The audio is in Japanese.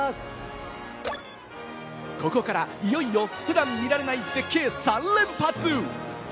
ここからいよいよ普段、見られない絶景３連発！